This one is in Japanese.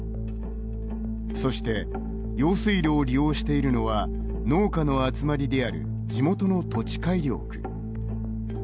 そして用水路を利用しているのは農家の集まりである地元の土地改良区。